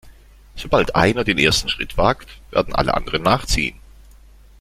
Sobald einer den ersten Schritt wagt, werden alle anderen nachziehen.